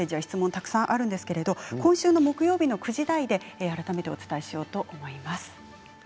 たくさんあるんですけれども今週の木曜日の９時台で改めてお伝えしようと思います。